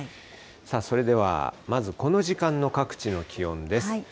さあ、それではまずこの時間の各地の気温です。